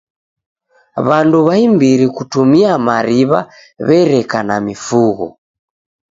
W'andu w'aimbiri kutumia mariw'a w'ereka na mifugho.